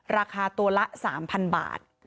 ราคาตัวละ๓๐๐๐บาท